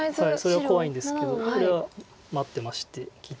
それは怖いんですけどこれは待ってまして切って。